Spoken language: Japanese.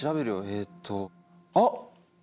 えっとあっ！